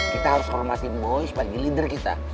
kita harus hormasi boy sebagai leader kita